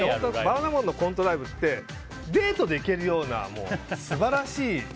バナナマンのコントライブってデートで行けるような素晴らしい。